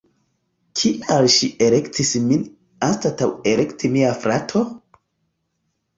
Kial ŝi elektis min anstataŭ elekti mian fraton?